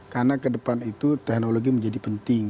karena ke depan itu teknologi menjadi penting